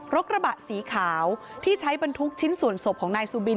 กระบะสีขาวที่ใช้บรรทุกชิ้นส่วนศพของนายซูบิน